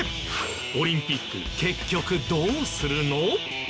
オリンピック結局どうするの？